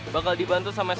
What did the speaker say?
bakal dibantu sama kakaknya